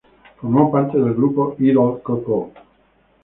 Formó parte del grupo idol CoCo.